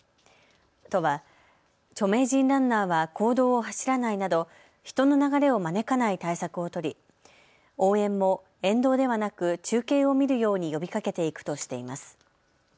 都は著名人ランナーは公道を走らないなど人の流れを招かない対策を取り、応援も沿道ではなく中継を見るように呼びかけていくとしています。